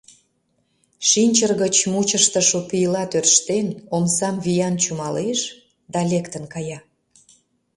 Шинчыр гыч мучыштышо пийла тӧрштен, омсам виян чумалеш да лектын кая.